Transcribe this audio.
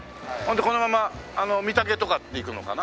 このまま御嶽とか行くのかな？